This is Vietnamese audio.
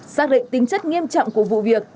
xác định tính chất nghiêm trọng của vụ việc